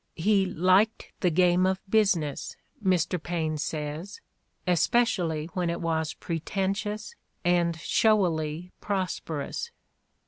He "liked the game of business," Mr. Paine says, "especially when it was pretentious and showily prosperous."